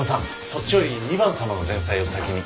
そっちより２番様の前菜を先に。